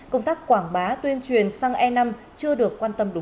công tác quảng bá tuyên truyền xăng e năm chưa được